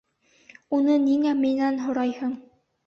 Уны ниңә минән һорайһың?